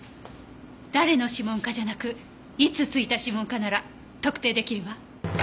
誰の指紋かじゃなくいつ付いた指紋かなら特定出来るわ。